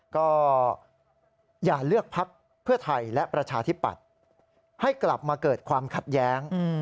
ก็อย่าเลือกพักเพื่อไทยและประชาธิปัตย์ให้กลับมาเกิดความขัดแย้ง